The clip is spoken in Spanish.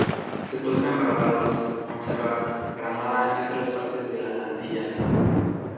Se toca en Barbados, Montserrat, Granada y otras partes de las Antillas.